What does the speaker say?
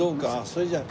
それじゃあ。